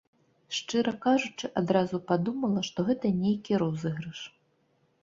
Шчыра кажучы, адразу падумала, што гэта нейкі розыгрыш.